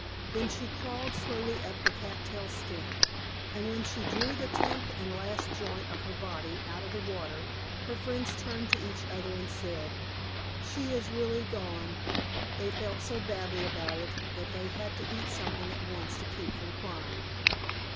Then she crawled slowly up the cat tail stem, and when she drew the tenth and last joint of her body out of the water, her friends turned to each other and said, "She is really gone." They felt so badly about it that they had to eat something at once to keep from crying.